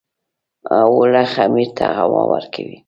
اوړه خمیر ته هوا ورکوي